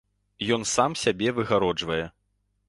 Ён сам сябе выгароджвае.